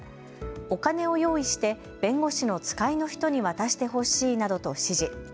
お金を用意して弁護士の使いの人に渡してほしいなどと指示。